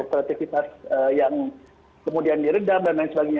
kreativitas yang kemudian diredam dan lain sebagainya